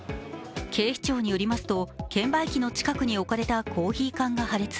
警視庁によりますと券売機の近くに置かれたコーヒー缶が破裂。